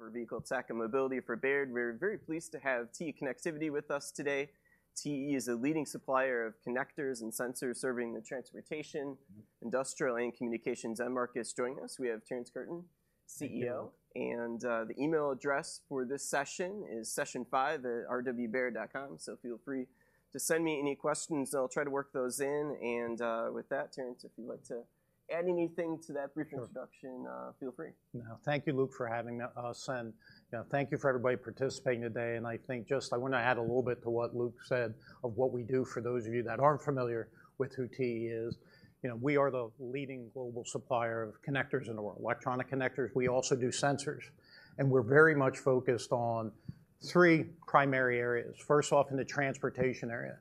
for Vehicle Tech and Mobility for Baird. We're very pleased to have TE Connectivity with us today. TE is a leading supplier of connectors and sensors serving the transportation, industrial, and communications end markets. Joining us, we have Terrence Curtin, CEO. And, the email address for this session is sessionfive@rwbaird.com. So feel free to send me any questions, and I'll try to work those in. And, with that, Terrence, if you'd like to add anything to that brief introduction- Sure. Feel free. No. Thank you, Luke, for having us, and, you know, thank you for everybody participating today. And I think just I want to add a little bit to what Luke said of what we do, for those of you that aren't familiar with who TE is. You know, we are the leading global supplier of connectors in the world, electronic connectors. We also do sensors, and we're very much focused on three primary areas. First off, in the transportation area,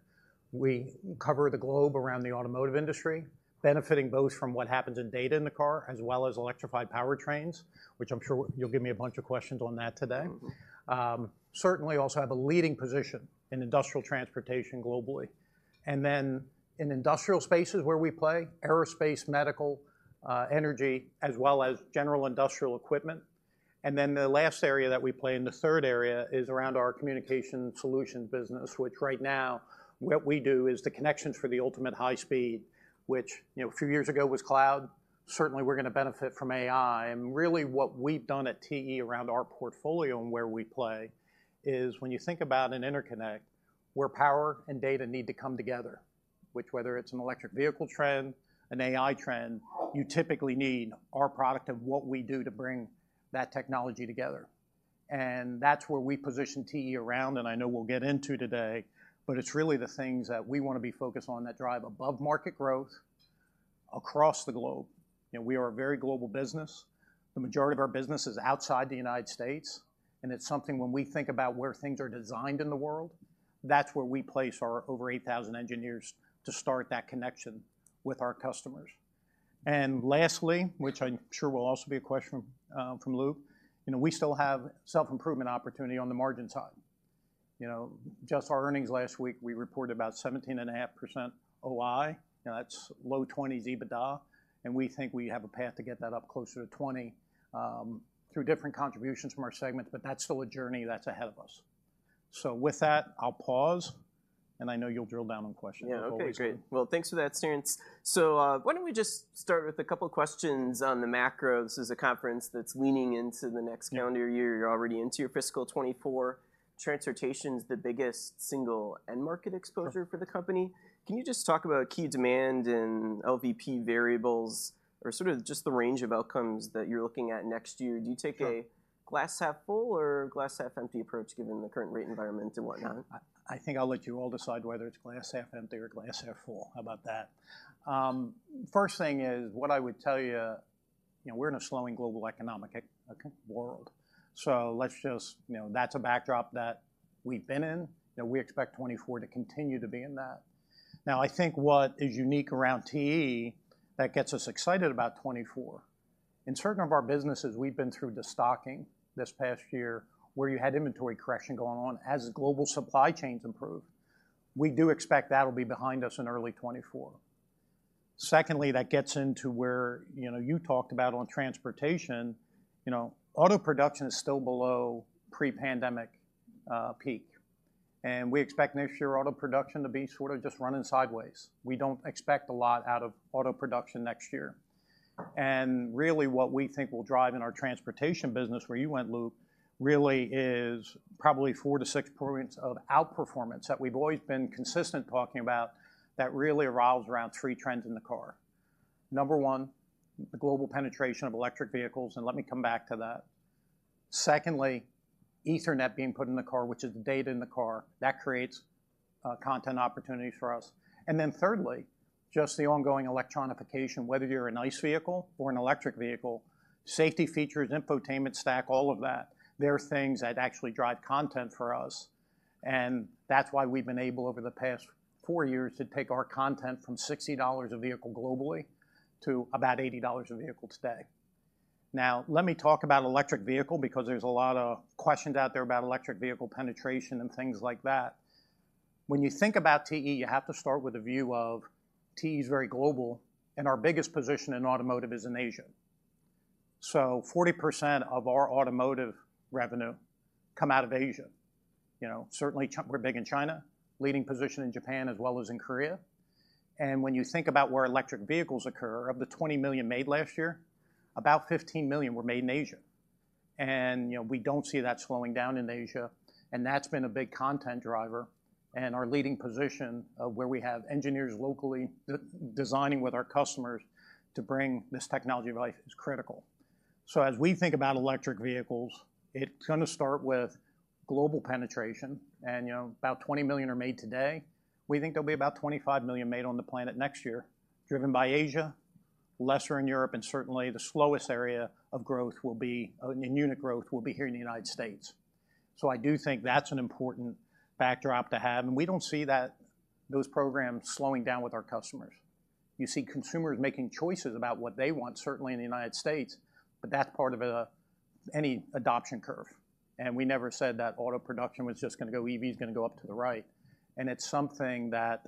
we cover the globe around the automotive industry, benefiting both from what happens in data in the car, as well as electrified powertrains, which I'm sure you'll give me a bunch of questions on that today. Certainly also have a leading position in industrial transportation globally. And then, in industrial spaces, where we play, aerospace, medical, energy, as well as general industrial equipment. And then the last area that we play, and the third area, is around our Communications Solutions business, which right now, what we do is the connections for the ultimate high speed, which, you know, a few years ago was cloud. Certainly, we're going to benefit from AI. And really, what we've done at TE around our portfolio and where we play is, when you think about an interconnect, where power and data need to come together, which, whether it's an electric vehicle trend, an AI trend, you typically need our product and what we do to bring that technology together. And that's where we position TE around, and I know we'll get into today, but it's really the things that we want to be focused on that drive above-market growth across the globe. You know, we are a very global business. The majority of our business is outside the United States, and it's something when we think about where things are designed in the world, that's where we place our over 8,000 engineers to start that connection with our customers. And lastly, which I'm sure will also be a question, from Luke, you know, we still have self-improvement opportunity on the margin side. You know, just our earnings last week, we reported about 17.5% OI, and that's low 20s EBITDA, and we think we have a path to get that up closer to 20, through different contributions from our segments, but that's still a journey that's ahead of us. So with that, I'll pause, and I know you'll drill down on questions- Yeah. -like always. Okay, great. Well, thanks for that, Terrence. So, why don't we just start with a couple questions on the macro? This is a conference that's leaning into the next calendar- Yeah. -year. You're already into your fiscal 2024. Transportation's the biggest single end-market exposure- Sure. -for the company. Can you just talk about key demand and LVP variables or sort of just the range of outcomes that you're looking at next year? Sure. Do you take a glass half full or glass half empty approach, given the current rate environment and whatnot? I think I'll let you all decide whether it's glass half empty or glass half full. How about that? First thing is, what I would tell you, you know, we're in a slowing global economic world. So let's just... You know, that's a backdrop that we've been in, that we expect 2024 to continue to be in that. Now, I think what is unique around TE that gets us excited about 2024, in certain of our businesses, we've been through destocking this past year, where you had inventory correction going on. As global supply chains improve, we do expect that'll be behind us in early 2024. Secondly, that gets into where, you know, you talked about on transportation. You know, auto production is still below pre-pandemic peak, and we expect next year auto production to be sort of just running sideways. We don't expect a lot out of auto production next year. Really, what we think will drive in our transportation business, where you went, Luke, really is probably 4-6 points of outperformance that we've always been consistent talking about, that really revolves around three trends in the car. Number one, the global penetration of electric vehicles, and let me come back to that. Secondly, Ethernet being put in the car, which is the data in the car. That creates content opportunities for us. And then thirdly, just the ongoing electronification, whether you're an ICE vehicle or an electric vehicle, safety features, infotainment stack, all of that, they're things that actually drive content for us. And that's why we've been able, over the past 4 years, to take our content from $60 a vehicle globally to about $80 a vehicle today. Now, let me talk about electric vehicle, because there's a lot of questions out there about electric vehicle penetration and things like that. When you think about TE, you have to start with a view of TE is very global, and our biggest position in automotive is in Asia. So 40% of our automotive revenue come out of Asia. You know, certainly, we're big in China, leading position in Japan, as well as in Korea. And when you think about where electric vehicles occur, of the 20 million made last year, about 15 million were made in Asia. And, you know, we don't see that slowing down in Asia, and that's been a big content driver. And our leading position of where we have engineers locally designing with our customers to bring this technology to life is critical. So as we think about electric vehicles, it's going to start with global penetration, and, you know, about 20 million are made today. We think there'll be about 25 million made on the planet next year, driven by Asia, lesser in Europe, and certainly the slowest area of growth will be, in unit growth, will be here in the United States. So I do think that's an important backdrop to have, and we don't see that, those programs slowing down with our customers. You see consumers making choices about what they want, certainly in the United States, but that's part of, any adoption curve. And we never said that auto production was just going to go, EVs going to go up to the right, and it's something that,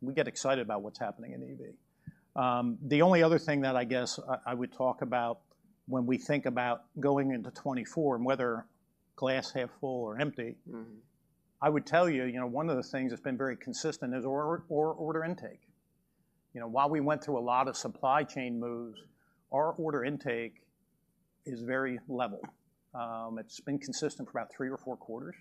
we get excited about what's happening in EV... The only other thing that I guess I would talk about when we think about going into 2024 and whether glass half full or empty- Mm-hmm. I would tell you, you know, one of the things that's been very consistent is order intake. You know, while we went through a lot of supply chain moves, our order intake is very level. It's been consistent for about three or four quarters,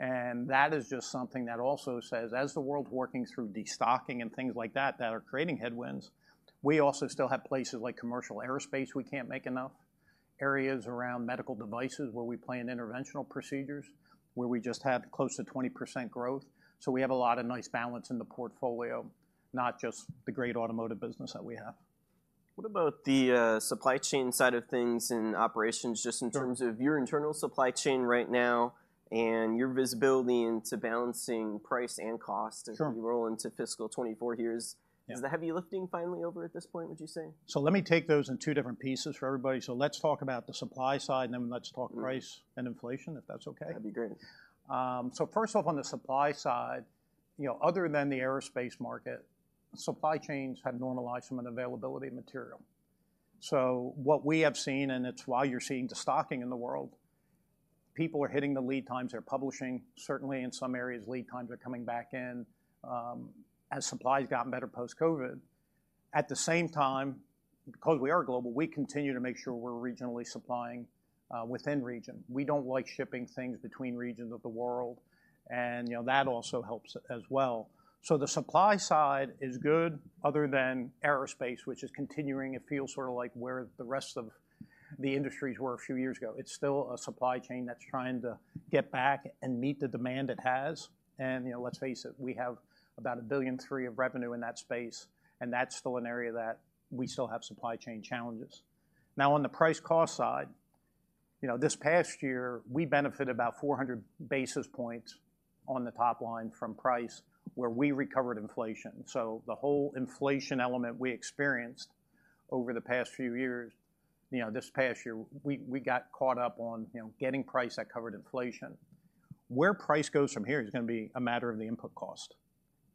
and that is just something that also says, as the world's working through destocking and things like that, that are creating headwinds, we also still have places like commercial aerospace we can't make enough, areas around medical devices where we play in interventional procedures, where we just have close to 20% growth. So we have a lot of nice balance in the portfolio, not just the great automotive business that we have. What about the supply chain side of things and operations, just in terms- Sure... of your internal supply chain right now and your visibility into balancing price and cost- Sure as we roll into fiscal 2024 here. Yeah. Is the heavy lifting finally over at this point, would you say? So let me take those in two different pieces for everybody. So let's talk about the supply side, and then let's talk price- Mm and inflation, if that's okay. That'd be great. So first off, on the supply side, you know, other than the aerospace market, supply chains have normalized some of the availability of material. So what we have seen, and it's why you're seeing destocking in the world, people are hitting the lead times they're publishing. Certainly, in some areas, lead times are coming back in, as supply's gotten better post-COVID. At the same time, because we are global, we continue to make sure we're regionally supplying, within region. We don't like shipping things between regions of the world, and, you know, that also helps as well. So the supply side is good other than aerospace, which is continuing. It feels sort of like where the rest of the industries were a few years ago. It's still a supply chain that's trying to get back and meet the demand it has, and, you know, let's face it, we have about $1.3 billion of revenue in that space, and that's still an area that we still have supply chain challenges. Now, on the price cost side, you know, this past year, we benefited about 400 basis points on the top line from price, where we recovered inflation. So the whole inflation element we experienced over the past few years, you know, this past year, we, we got caught up on, you know, getting price that covered inflation. Where price goes from here is gonna be a matter of the input cost,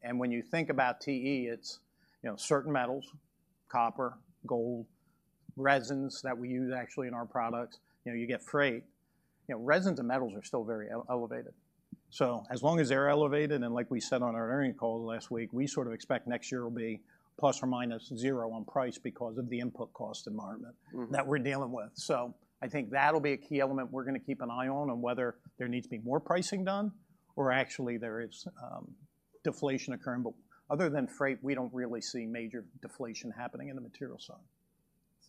and when you think about TE, it's, you know, certain metals, copper, gold, resins that we use actually in our products. You know, you get freight. You know, resins and metals are still very elevated. So as long as they're elevated, and like we said on our earnings call last week, we sort of expect next year will be ±0 on price because of the input cost environment- Mm... that we're dealing with. So I think that'll be a key element we're gonna keep an eye on, on whether there needs to be more pricing done or actually there is, deflation occurring. But other than freight, we don't really see major deflation happening in the material side.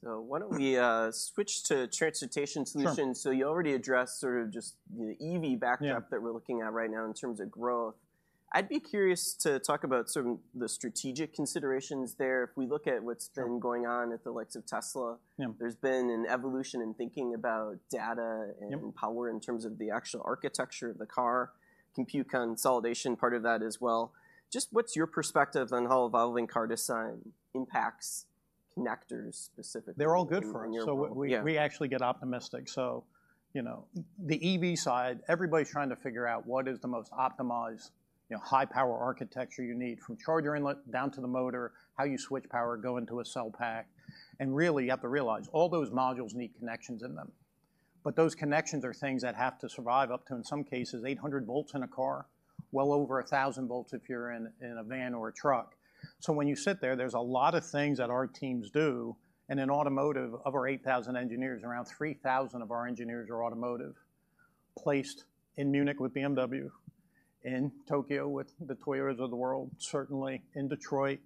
So why don't we switch to Transportation Solutions? Sure. So you already addressed sort of just the EV backdrop. Yeah... that we're looking at right now in terms of growth. I'd be curious to talk about sort of the strategic considerations there. If we look at what's been- Sure... going on at the likes of Tesla- Yeah... there's been an evolution in thinking about data and Yep... power in terms of the actual architecture of the car, compute consolidation, part of that as well. Just what's your perspective on how evolving car design impacts connectors specifically? They're all good for us. In your-- Yeah. So we actually get optimistic. So, you know, the EV side, everybody's trying to figure out what is the most optimized, you know, high-power architecture you need, from charger inlet down to the motor, how you switch power, go into a cell pack. And really, you have to realize all those modules need connections in them, but those connections are things that have to survive up to, in some cases, 800 volts in a car, well over 1,000 volts if you're in a van or a truck. So when you sit there, there's a lot of things that our teams do, and in automotive, of our 8,000 engineers, around 3,000 of our engineers are automotive, placed in Munich with BMW, in Tokyo with the Toyotas of the world, certainly in Detroit,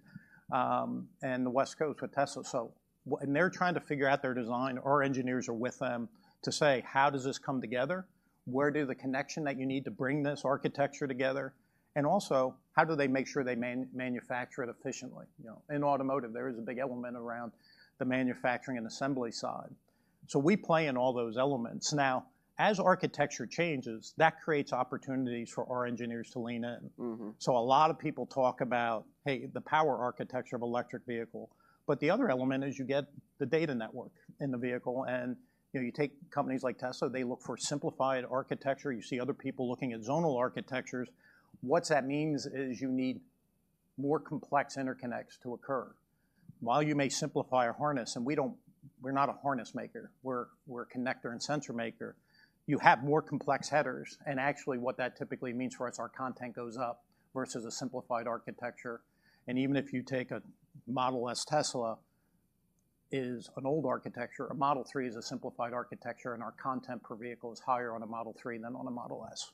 and the West Coast with Tesla. So when they're trying to figure out their design, our engineers are with them to say: How does this come together? Where do the connection that you need to bring this architecture together? And also, how do they make sure they manufacture it efficiently? You know, in automotive, there is a big element around the manufacturing and assembly side. So we play in all those elements. Now, as architecture changes, that creates opportunities for our engineers to lean in. Mm-hmm. So a lot of people talk about, hey, the power architecture of electric vehicle, but the other element is you get the data network in the vehicle, and, you know, you take companies like Tesla, they look for simplified architecture. You see other people looking at zonal architectures. What that means is you need more complex interconnects to occur. While you may simplify a harness, and we don't--we're not a harness maker, we're, we're a connector and sensor maker, you have more complex headers, and actually, what that typically means for us, our content goes up versus a simplified architecture. And even if you take a Model S Tesla is an old architecture, a Model three is a simplified architecture, and our content per vehicle is higher on a Model three than on a Model S,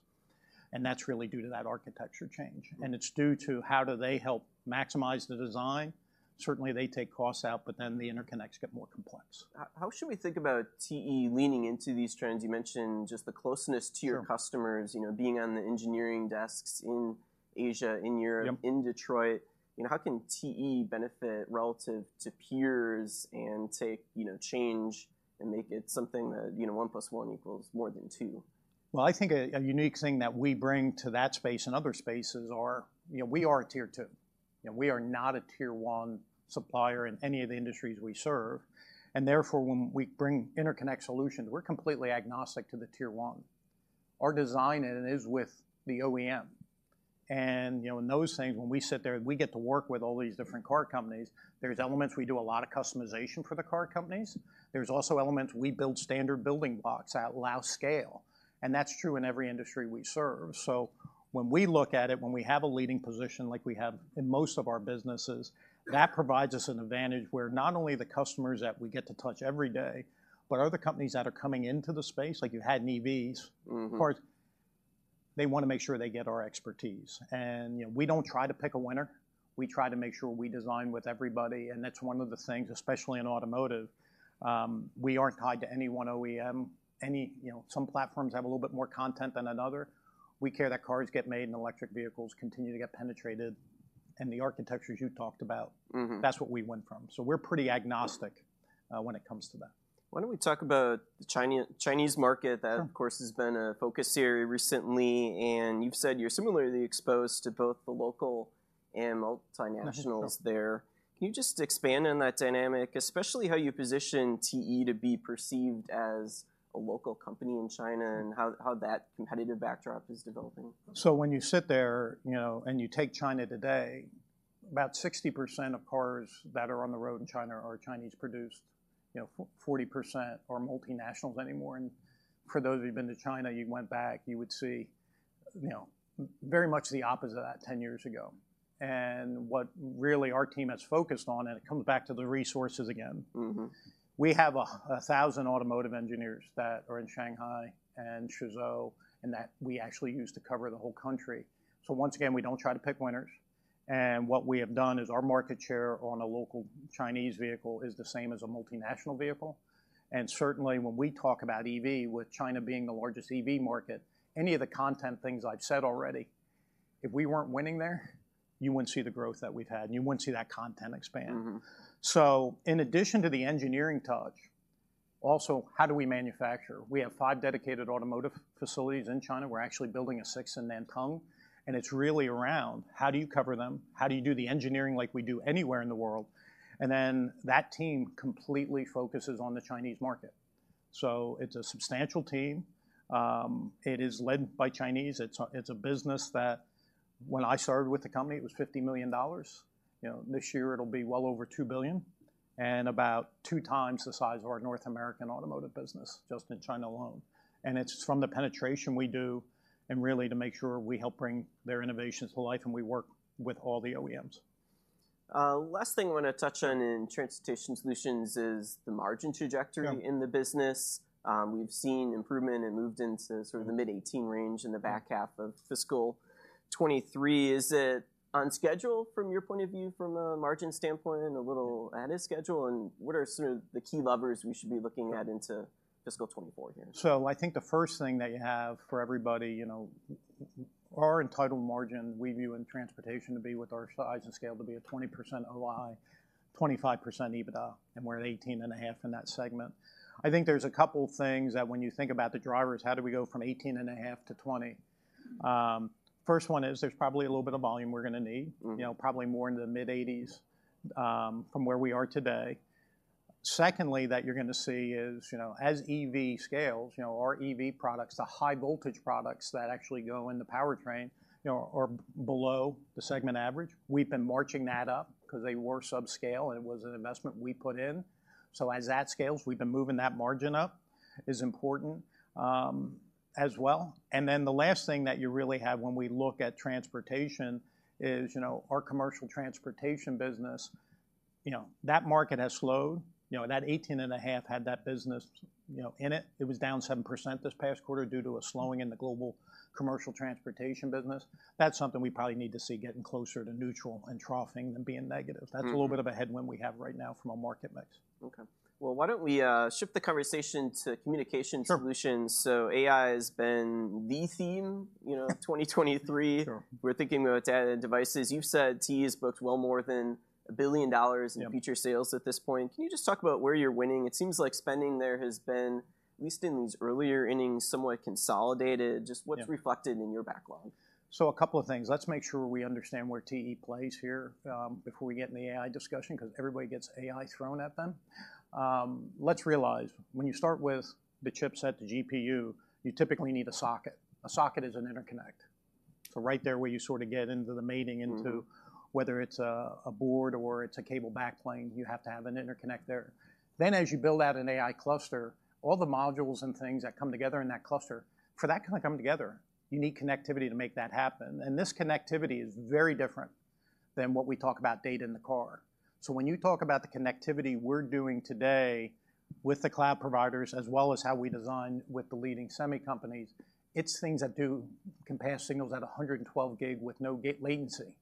and that's really due to that architecture change. Mm. It's due to how do they help maximize the design? Certainly, they take costs out, but then the interconnects get more complex. How should we think about TE leaning into these trends? You mentioned just the closeness to your- Sure... customers, you know, being on the engineering desks in Asia, in Europe- Yep... in Detroit. You know, how can TE benefit relative to peers and take, you know, change and make it something that, you know, one plus one equals more than two? Well, I think a unique thing that we bring to that space and other spaces are, you know, we are a Tier Two. You know, we are not a Tier One supplier in any of the industries we serve, and therefore, when we bring interconnect solutions, we're completely agnostic to the Tier One. Our design and it is with the OEM. And, you know, in those things, when we sit there, we get to work with all these different car companies. There's elements we do a lot of customization for the car companies. There's also elements we build standard building blocks that allow scale, and that's true in every industry we serve. When we look at it, when we have a leading position like we have in most of our businesses, that provides us an advantage where not only the customers that we get to touch every day, but other companies that are coming into the space, like you had in EVs. Mm-hmm. Of course, they wanna make sure they get our expertise. And, you know, we don't try to pick a winner, we try to make sure we design with everybody, and that's one of the things, especially in automotive, we aren't tied to any one OEM. You know, some platforms have a little bit more content than another. We care that cars get made, and electric vehicles continue to get penetrated, and the architectures you talked about. Mm-hmm. -that's what we went from. So we're pretty agnostic, when it comes to that. Why don't we talk about the Chinese market? Sure. That, of course, has been a focus area recently, and you've said you're similarly exposed to both the local and multinationals there. Sure. Can you just expand on that dynamic, especially how you position TE to be perceived as a local company in China, and how, how that competitive backdrop is developing? So when you sit there, you know, and you take China today, about 60% of cars that are on the road in China are Chinese-produced. You know, forty percent are multinationals anymore, and for those who've been to China, you went back, you would see, you know, very much the opposite of that 10 years ago. And what really our team has focused on, and it comes back to the resources again- Mm-hmm. We have 1,000 automotive engineers that are in Shanghai and Suzhou, and that we actually use to cover the whole country. So once again, we don't try to pick winners, and what we have done is our market share on a local Chinese vehicle is the same as a multinational vehicle. And certainly, when we talk about EV, with China being the largest EV market, any of the content things I've said already, if we weren't winning there, you wouldn't see the growth that we've had, and you wouldn't see that content expand. Mm-hmm. So in addition to the engineering touch, also, how do we manufacture? We have 5 dedicated automotive facilities in China. We're actually building a sixth in Nantong, and it's really around how do you cover them? How do you do the engineering like we do anywhere in the world? And then, that team completely focuses on the Chinese market. So it's a substantial team. It is led by Chinese. It's a business that, when I started with the company, it was $50 million. You know, this year it'll be well over $2 billion, and about 2 times the size of our North American automotive business, just in China alone. And it's from the penetration we do, and really to make sure we help bring their innovations to life, and we work with all the OEMs. Last thing I want to touch on in transportation solutions is the margin trajectory- Yeah in the business. We've seen improvement and moved into sort of the mid-18 range in the back half of fiscal 2023. Is it on schedule from your point of view, from a margin standpoint, and a little ahead of schedule? And what are sort of the key levers we should be looking at into fiscal 2024 here? So I think the first thing that you have for everybody, you know, our entitled margin, we view in transportation to be with our size and scale, to be a 20% OI, 25% EBITDA, and we're at 18.5% in that segment. I think there's a couple things that when you think about the drivers, how do we go from 18.5% to 20%? First one is, there's probably a little bit of volume we're gonna need. Mm-hmm. You know, probably more into the mid-80s from where we are today. Secondly, that you're gonna see is, you know, as EV scales, you know, our EV products, the high-voltage products that actually go in the powertrain, you know, are below the segment average. We've been marching that up because they were subscale, and it was an investment we put in. So as that scales, we've been moving that margin up, is important, as well. And then the last thing that you really have when we look at transportation is, you know, our commercial transportation business, you know, that market has slowed. You know, that 18.5 had that business, you know, in it. It was down 7% this past quarter due to a slowing in the global commercial transportation business. That's something we probably need to see getting closer to neutral and troughing than being negative. Mm-hmm. That's a little bit of a headwind we have right now from a market mix. Okay. Well, why don't we shift the conversation to communication solutions? Sure. AI has been the theme, you know, 2023. Sure. We're thinking about added devices. You've said TE's booked well more than $1 billion- Yeah in future sales at this point. Can you just talk about where you're winning? It seems like spending there has been, at least in these earlier innings, somewhat consolidated. Yeah. Just what's reflected in your backlog? So a couple of things. Let's make sure we understand where TE plays here, before we get in the AI discussion, because everybody gets AI thrown at them. Let's realize, when you start with the chipset, the GPU, you typically need a socket. A socket is an interconnect. So right there, where you sort of get into the mating into- Mm-hmm... whether it's a board or it's a cable backplane, you have to have an interconnect there. Then, as you build out an AI cluster, all the modules and things that come together in that cluster, for that to come together, you need connectivity to make that happen, and this connectivity is very different than what we talk about data in the car. So when you talk about the connectivity we're doing today with the cloud providers, as well as how we design with the leading semi companies, it's things that can pass signals at 112 gig with no latency.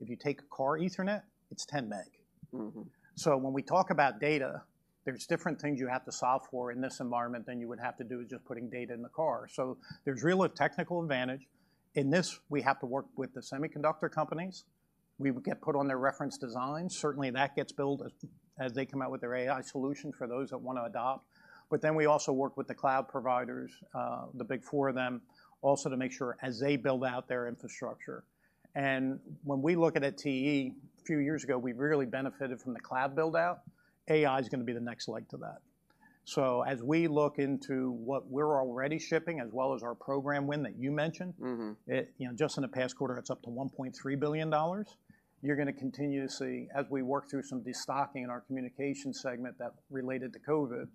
If you take a car Ethernet, it's 10 meg. Mm-hmm. So when we talk about data, there's different things you have to solve for in this environment than you would have to do with just putting data in the car. So there's really a technical advantage. In this, we have to work with the semiconductor companies. We would get put on their reference design. Certainly, that gets built as they come out with their AI solution for those that want to adopt. But then we also work with the cloud providers, the big four of them, also to make sure as they build out their infrastructure. And when we look at TE, a few years ago, we really benefited from the cloud build-out. AI is going to be the next leg to that. So as we look into what we're already shipping, as well as our program win that you mentioned. Mm-hmm. -it, you know, just in the past quarter, it's up to $1.3 billion. You're going to continue to see, as we work through some destocking in our communication segment that related to COVID,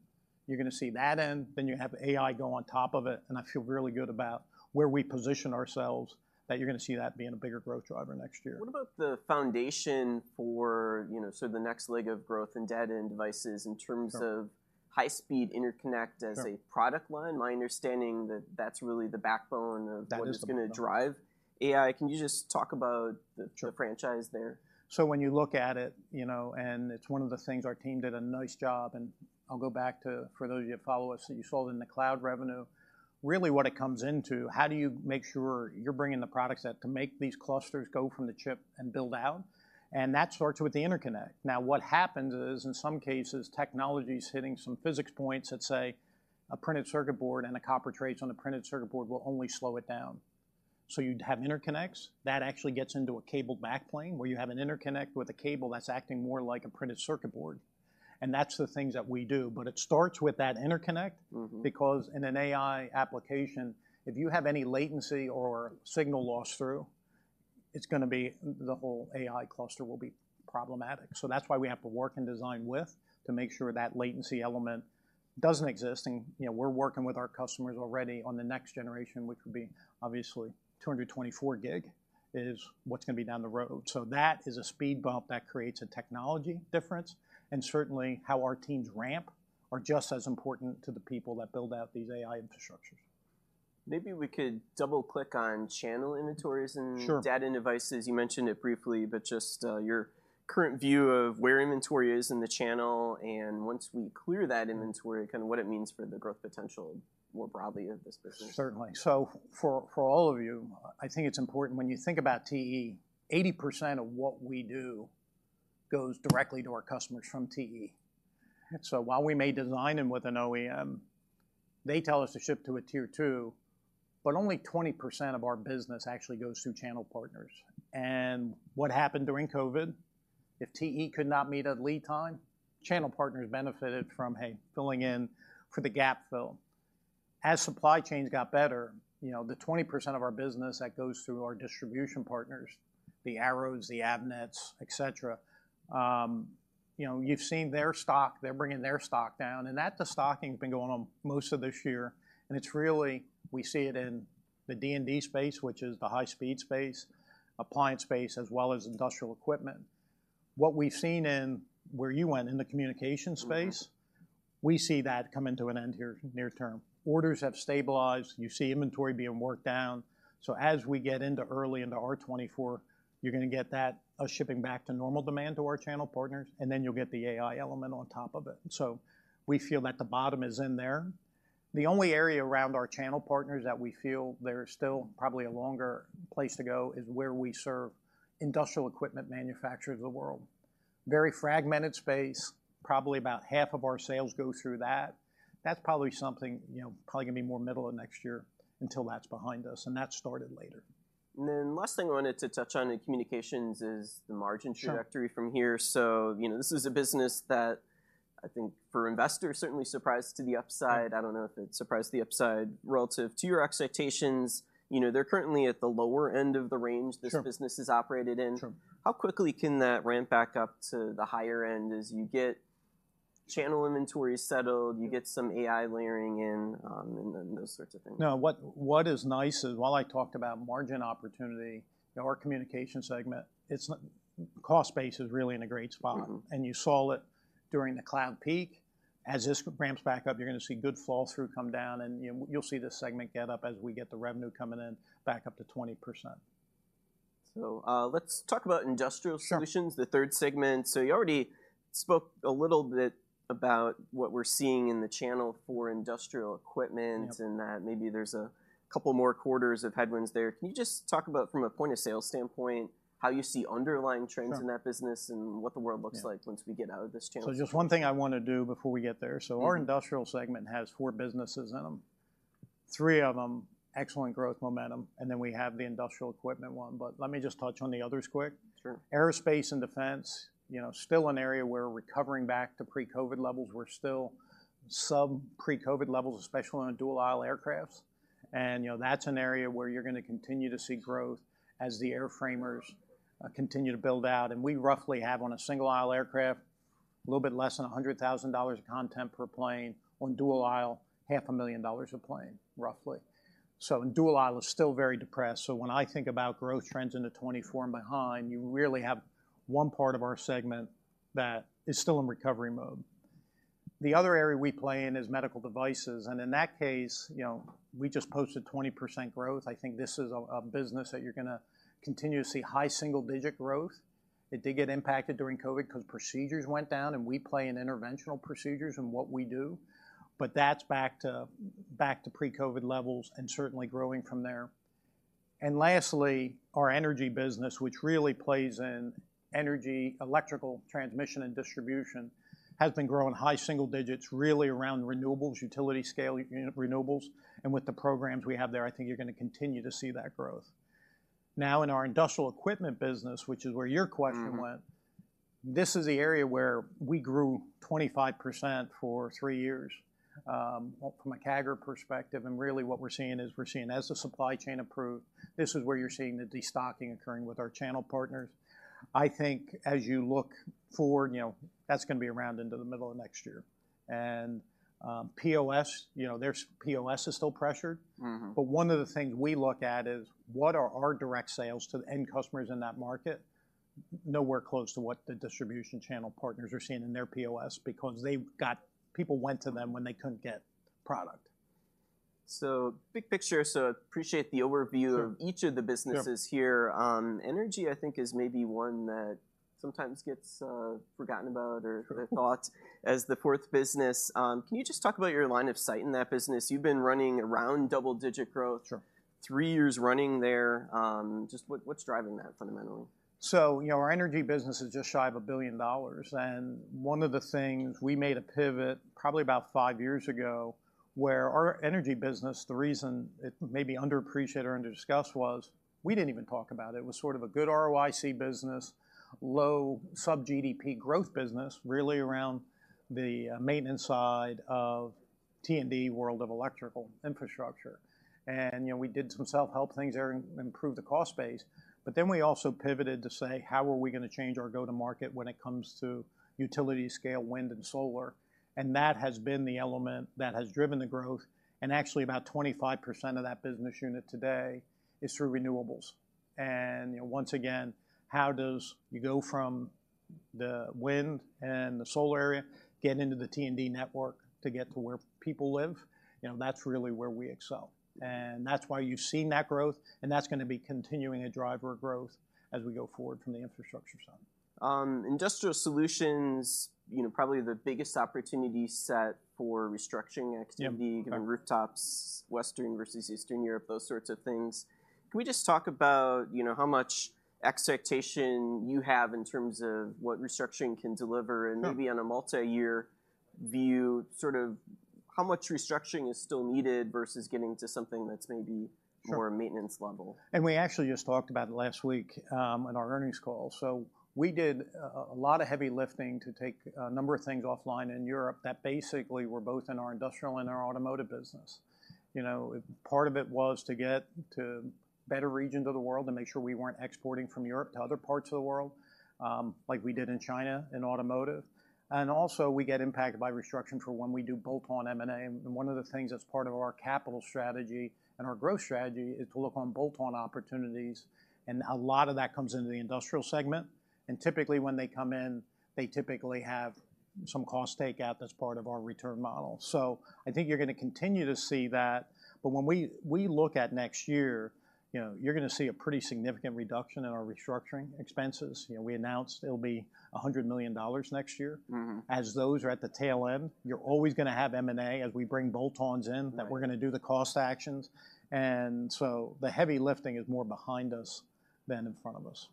you're going to see that end, then you have AI go on top of it, and I feel really good about where we position ourselves, that you're going to see that being a bigger growth driver next year. What about the foundation for, you know, so the next leg of growth in Data and Devices in terms of- Sure... high-speed interconnect Sure As a product line? My understanding that that's really the backbone of- That is the What is going to drive AI? Can you just talk about the- Sure the franchise there? When you look at it, you know, and it's one of the things our team did a nice job, and I'll go back to, for those of you that follow us, that you saw it in the cloud revenue. Really, what it comes into, how do you make sure you're bringing the products that to make these clusters go from the chip and build out? And that starts with the interconnect. Now, what happens is, in some cases, technology is hitting some physics points that say a printed circuit board and the copper trace on the printed circuit board will only slow it down. So you'd have interconnects. That actually gets into a cabled backplane, where you have an interconnect with a cable that's acting more like a printed circuit board, and that's the things that we do. But it starts with that interconnect- Mm-hmm... because in an AI application, if you have any latency or signal loss through, it's going to be the whole AI cluster will be problematic. So that's why we have to work and design with, to make sure that latency element doesn't exist. And, you know, we're working with our customers already on the next generation, which would be obviously 224 gig, is what's going to be down the road. So that is a speed bump that creates a technology difference, and certainly how our teams ramp are just as important to the people that build out these AI infrastructures. Maybe we could double-click on channel inventories and- Sure... data and devices. You mentioned it briefly, but just, your current view of where inventory is in the channel, and once we clear that inventory, kind of what it means for the growth potential more broadly of this business? Certainly. So for all of you, I think it's important when you think about TE, 80% of what we do goes directly to our customers from TE. So while we may design them with an OEM, they tell us to ship to a Tier Two, but only 20% of our business actually goes through channel partners. And what happened during COVID, if TE could not meet a lead time, channel partners benefited from, hey, filling in for the gap fill. As supply chains got better, you know, the 20% of our business that goes through our distribution partners, the Arrows, the Avnets, et cetera, you know, you've seen their stock... They're bringing their stock down, and that destocking has been going on most of this year, and it's really, we see it in the D&D space, which is the high-speed space, appliance space, as well as industrial equipment. What we've seen in where you went, in the communication space- Mm-hmm... we see that coming to an end here near term. Orders have stabilized. You see inventory being worked down. So as we get into early into our 2024, you're going to get that, shipping back to normal demand to our channel partners, and then you'll get the AI element on top of it. So we feel that the bottom is in there. The only area around our channel partners that we feel there's still probably a longer place to go is where we serve industrial equipment manufacturers of the world. Very fragmented space, probably about half of our sales go through that. That's probably something, you know, probably going to be more middle of next year until that's behind us, and that started later. And then last thing I wanted to touch on in communications is the margin trajectory- Sure... from here. So, you know, this is a business that I think for investors, certainly surprised to the upside. Sure. I don't know if it surprised the upside relative to your expectations. You know, they're currently at the lower end of the range- Sure this business has operated in. Sure. How quickly can that ramp back up to the higher end as you get channel inventory settled, you get some AI layering in, and then those sorts of things? No, what is nice is, while I talked about margin opportunity, you know, our communication segment, it's not—cost base is really in a great spot. Mm-hmm. You saw it during the cloud peak. As this ramps back up, you're going to see good fall through, come down, and, you know, you'll see this segment get up as we get the revenue coming in, back up to 20%. Let's talk about Industrial Solutions. Sure... the third segment. You already spoke a little bit about what we're seeing in the channel for industrial equipment- Yep... and that maybe there's a couple more quarters of headwinds there. Can you just talk about, from a point-of-sale standpoint, how you see underlying trends- Sure... in that business and what the world looks like- Yeah... once we get out of this channel? Just one thing I want to do before we get there. Mm-hmm. Our industrial segment has four businesses in them. Three of them, excellent growth momentum, and then we have the industrial equipment one. Let me just touch on the others quick. Sure. Aerospace and Defense, you know, still an area where we're recovering back to pre-COVID levels. We're still sub-pre-COVID levels, especially on dual-aisle aircraft. And, you know, that's an area where you're going to continue to see growth as the airframers continue to build out. And we roughly have, on a single-aisle aircraft, a little bit less than $100,000 of content per plane. On dual-aisle, $500,000 a plane, roughly. So and dual-aisle is still very depressed. So when I think about growth trends in 2024 and beyond, you really have one part of our segment that is still in recovery mode. The other area we play in is medical devices, and in that case, you know, we just posted 20% growth. I think this is a business that you're going to continue to see high single-digit growth. It did get impacted during COVID, because procedures went down, and we play in interventional procedures in what we do, but that's back to pre-COVID levels and certainly growing from there. Lastly, our Energy business, which really plays in energy, electrical transmission and distribution, has been growing high single digits, really around renewables, utility scale unit renewables, and with the programs we have there, I think you're going to continue to see that growth. Now, in our industrial equipment business, which is where your question went. This is the area where we grew 25% for three years, well, from a CAGR perspective, and really what we're seeing is as the supply chain improved, this is where you're seeing the de-stocking occurring with our channel partners. I think as you look forward, you know, that's gonna be around into the middle of next year. POS, you know, their POS is still pressured. Mm-hmm. One of the things we look at is, what are our direct sales to the end customers in that market? Nowhere close to what the distribution channel partners are seeing in their POS, because they've got... People went to them when they couldn't get product. So, big picture, so appreciate the overview. Sure. of each of the businesses here. Yeah. Energy, I think, is maybe one that sometimes gets forgotten about or thought as the fourth business. Can you just talk about your line of sight in that business? You've been running around double-digit growth- Sure. -three years running there. Just what, what's driving that fundamentally? So, you know, our energy business is just shy of $1 billion, and one of the things, we made a pivot probably about five years ago, where our energy business, the reason it may be underappreciated or underdiscussed, was we didn't even talk about it. It was sort of a good ROIC business, low sub-GDP growth business, really around the maintenance side of T&D world of electrical infrastructure. And, you know, we did some self-help things there and improved the cost base, but then we also pivoted to say: How are we gonna change our go-to-market when it comes to utility-scale wind and solar? And that has been the element that has driven the growth, and actually, about 25% of that business unit today is through renewables. You know, once again, how does you go from the wind and the solar area, get into the T&D network to get to where people live? You know, that's really where we excel, and that's why you've seen that growth, and that's gonna be continuing a driver of growth as we go forward from the infrastructure side. Industrial Solutions, you know, probably the biggest opportunity set for restructuring activity- Yeah. and rooftops, Western versus Eastern Europe, those sorts of things. Can we just talk about, you know, how much expectation you have in terms of what restructuring can deliver? Sure... and maybe on a multiyear view, sort of how much restructuring is still needed versus getting to something that's maybe- Sure more maintenance level? We actually just talked about it last week on our earnings call. We did a lot of heavy lifting to take a number of things offline in Europe that basically were both in our industrial and our automotive business. You know, part of it was to get to better regions of the world to make sure we weren't exporting from Europe to other parts of the world, like we did in China in automotive. Also, we get impacted by restructuring for when we do bolt-on M&A, and one of the things that's part of our capital strategy and our growth strategy is to look on bolt-on opportunities, and a lot of that comes into the industrial segment. Typically, when they come in, they typically have some cost takeout that's part of our return model. So I think you're gonna continue to see that, but when we look at next year, you know, you're gonna see a pretty significant reduction in our restructuring expenses. You know, we announced it'll be $100 million next year. Mm-hmm. As those are at the tail end, you're always gonna have M&A as we bring bolt-ons in- Right... that we're gonna do the cost actions, and so the heavy lifting is more behind us than in front of us.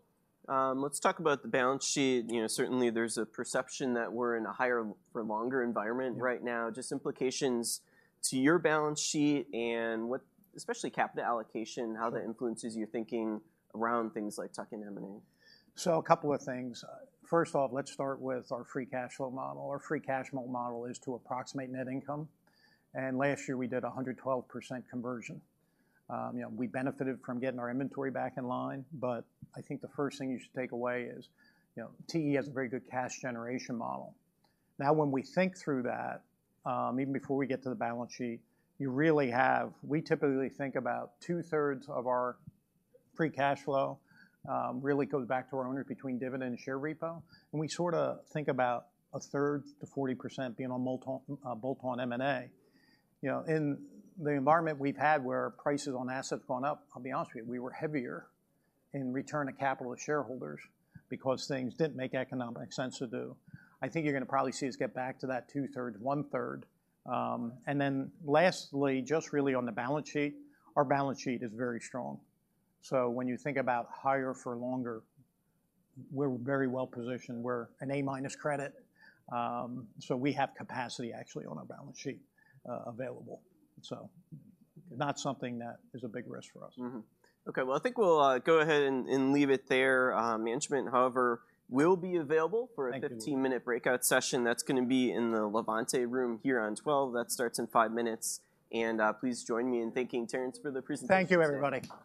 Let's talk about the balance sheet. You know, certainly, there's a perception that we're in a higher-for-longer environment right now. Mm-hmm. Just implications to your balance sheet and what... Especially capital allocation, how that influences your thinking around things like tuck-in M&A. A couple of things. First off, let's start with our free cash flow model. Our free cash flow model is to approximate net income, and last year, we did 112% conversion. You know, we benefited from getting our inventory back in line, but I think the first thing you should take away is, you know, TE has a very good cash generation model. Now, when we think through that, even before we get to the balance sheet, you really have-- We typically think about two-thirds of our free cash flow really goes back to our owners between dividend and share repo, and we sort of think about a third to 40% being on bolt-on M&A. You know, in the environment we've had, where prices on assets have gone up, I'll be honest with you, we were heavier in return to capital to shareholders because things didn't make economic sense to do. I think you're gonna probably see us get back to that two-thirds, one-third. And then lastly, just really on the balance sheet, our balance sheet is very strong. So when you think about higher for longer, we're very well positioned. We're an A-minus credit, so we have capacity actually on our balance sheet, available. So not something that is a big risk for us. Mm-hmm. Okay, well, I think we'll go ahead and leave it there. Management, however, will be available- Thank you... for a 15-minute breakout session. That's gonna be in the Levante room here on 12. That starts in five minutes, and please join me in thanking Terrence for the presentation. Thank you, everybody.